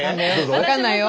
分かんないよ。